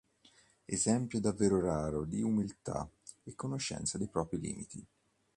Esempio davvero raro di umiltà e conoscenza dei propri limiti.